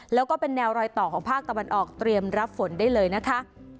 แล้วก็เป็นแนวรอยต่อของภาคตะวันออกเตรียมรับฝนได้เลยนะคะ